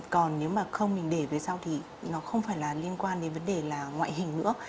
còn nếu mà không mình để về sau thì nó không phải là liên quan đến vấn đề là ngoại hình nữa